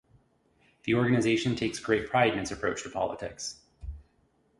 The organisation takes great pride in its approach to politics.